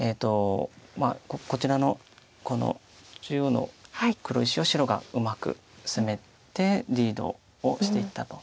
こちらのこの中央の黒石を白がうまく攻めてリードをしていったと。